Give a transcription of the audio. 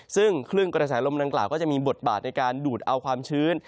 ซึ่งคลื่นกระแสลมดังกล่าวก็จะมีบทบาทในการดูดเอาความชื้น